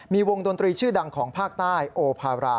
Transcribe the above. มีวงดนตรีชื่อดังของภาคใต้โอภารา